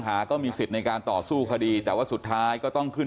อยากให้ดีวิธีซื้อที่แล้วบอกจากอย่างนั้น